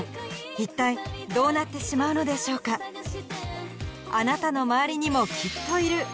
一体どうなってしまうのでしょうかあなたの周りにもきっといるＯＫ